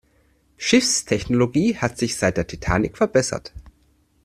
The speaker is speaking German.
Schiffstechnologie hat sich seit der Titanic verbessert.